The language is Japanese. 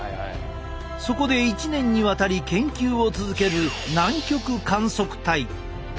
そこで１年にわたり研究を続ける南極観測隊。